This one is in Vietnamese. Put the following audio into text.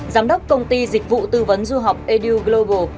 giám đốc công ty dịch vụ tư vấn du học eduglobal